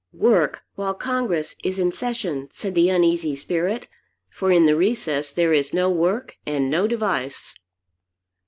Work while Congress is in session, said the uneasy spirit, for in the recess there is no work and no device.